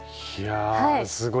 すごい。